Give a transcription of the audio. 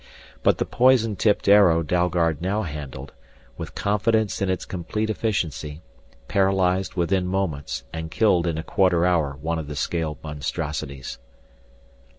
But the poison tipped arrow Dalgard now handled, with confidence in its complete efficiency, paralyzed within moments and killed in a quarter hour one of the scaled monstrosities.